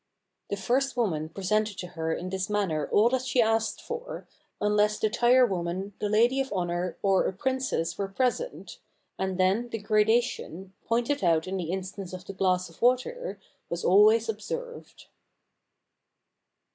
The first woman presented to her in this man 281 FRANCE ner all that she asked for, unless the tire woman, the lady of honor, or a princess, were present, and then the gradation, pointed out in the instance of the glass of water, was always observed.